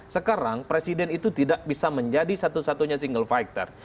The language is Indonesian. sekarang presiden itu tidak bisa menjadi satu satunya single fighter